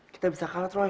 kita bisa kalah troy